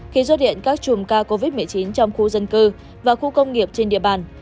khi xuất hiện các chùm ca covid một mươi chín trong khu dân cư và khu công nghiệp trên địa bàn